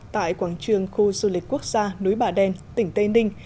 tại quảng trường khu du lịch quốc gia núi bà đen tỉnh tây ninh